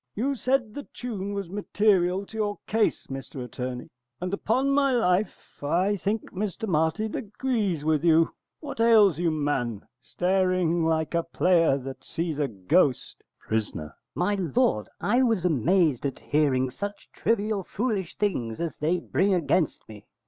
] You said the tune was material to your case, Mr Attorney, and upon my life I think Mr Martin agrees with you. What ails you, man? staring like a player that sees a ghost! Pris. My lord, I was amazed at hearing such trivial, foolish things as they bring against me.